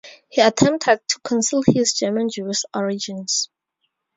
He attempted to conceal his German Jewish origins.